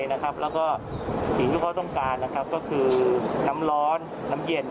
แล้วก็สิ่งที่เขาต้องการก็คือน้ำร้อนน้ำเย็น